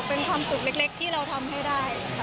เป็นความสุขเล็กที่เราทำให้ได้